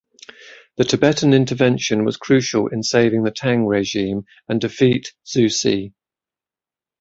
The Tibetan intervention was crucial in saving the Tang regime and defeat Zhu Ci.